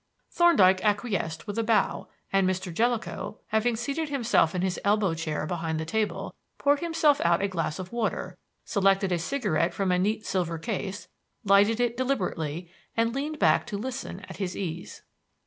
Thorndyke acquiesced with a bow, and Mr. Jellicoe, having seated himself in his elbow chair behind the table, poured himself out a glass of water, selected a cigarette from a neat silver case, lighted it deliberately, and leaned back to listen at his ease.